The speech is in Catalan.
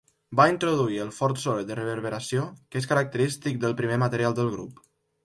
Va introduir el fort soroll de reverberació que és característic del primer material del grup.